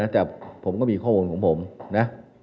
แต่ผมก็มีข้อมูลของผมนะ